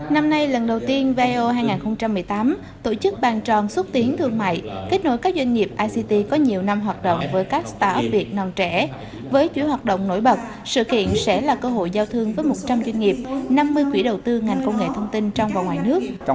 năm nay lần đầu tiên vio hai nghìn một mươi tám tổ chức bàn tròn xuất tiến thương mại kết nối các doanh nghiệp ict có nhiều năm hoạt động với các startup việt nam trẻ